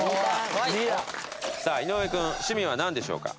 さあ井上君趣味はなんでしょうか？